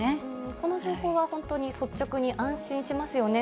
この情報は本当に率直に安心しますよね。